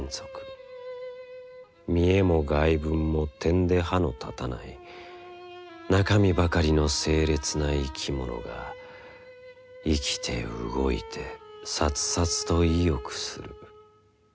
見えも外聞もてんで歯のたたない中身ばかりの清冽な生きものが生きて動いてさつさつと意欲する。